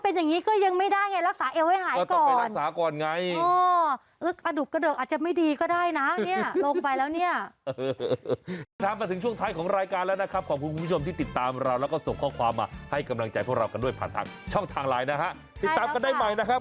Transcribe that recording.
ไปดูว่าเป็นยังไง